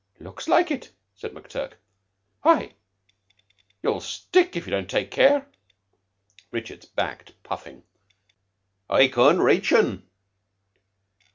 "'Looks like it," said McTurk. "Hi! You'll stick if you don't take care." Richards backed puffing. "I can't rache un.